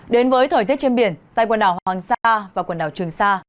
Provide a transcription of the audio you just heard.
đến với thời tiết trên biển tại quần đảo hoàng sa và quần đảo trường sa